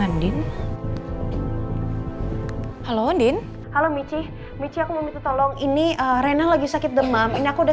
nordin halo nordin halo michi michi aku mau minta tolong ini renang lagi sakit demam ini aku udah